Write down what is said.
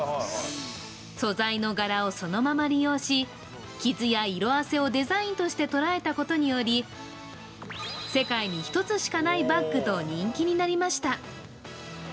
素材の柄をそのまま利用し、傷や色あせをデザインとして捉えたことにより、世界に１つしかないバッグと人気になりました。